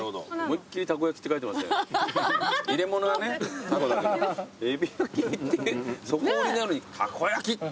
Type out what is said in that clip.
えび焼きってそこ売りなのに「たこやき」ってはっきりと。